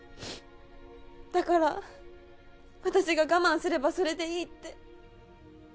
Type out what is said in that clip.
だから私が我慢すればそれでいいって